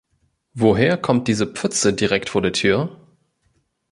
Woher kommt diese Pfütze direkt vor der Tür?